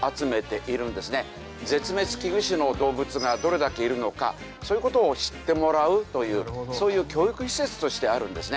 絶滅危惧種の動物がどれだけいるのかそういう事を知ってもらうというそういう教育施設としてあるんですね。